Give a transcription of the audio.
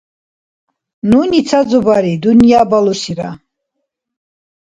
Нуни ца зубари-дунъя балусира.